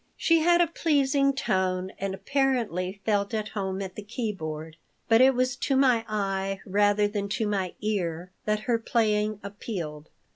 She had a pleasing tone and apparently felt at home at the keyboard, but it was to my eye rather than to my ear that her playing appealed.